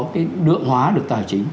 sử dụng công cụ tài chính